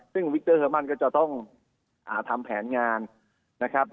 ซึ่งวิกเตอร์เซอร์มันก็จะต้องทำแผนงานนะครับ